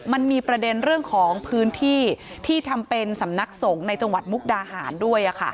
มันมีประเด็นเรื่องของพื้นที่ที่ทำเป็นสำนักสงฆ์ในจังหวัดมุกดาหารด้วย